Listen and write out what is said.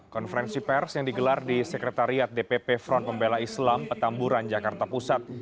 konferensi pers yang digelar di sekretariat dpp front pembela islam petamburan jakarta pusat